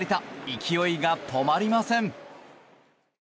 勢いが止まりません。